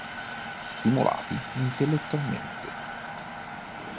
Stimolati intellettualmente.